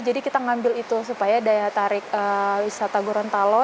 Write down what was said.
jadi kita ngambil itu supaya daya tarik wisata gorontalo